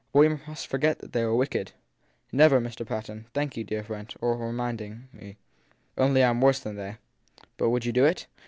But must we forget that they were wicked ? Never ! Mr. Patten laughed. Thank you, dear friend, for reminding me. Only I m worse than they ! But would you do it